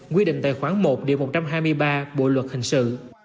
quy định tài khoản một điều một trăm hai mươi ba bộ luật hình sự